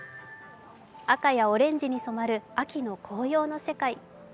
赤やオレンジに染まる秋の紅葉の世界。